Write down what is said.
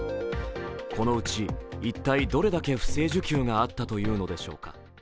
このうち、一体どれだけ不正受給があったというのでしょうか。